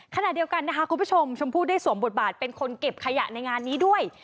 ขณะเดียวกันนะคะคุณผู้ชมชมพู่ได้สวมบทบาทเป็นคนเก็บขยะในงานนี้ด้วย